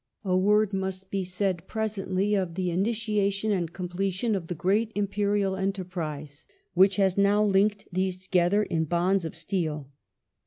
A word must be said presently of the initiation and completion of the great Imperial enterprise which has now linked these together in bonds of steel.